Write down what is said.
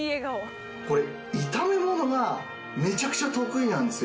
これ炒め物がめちゃくちゃ得意なんですよ。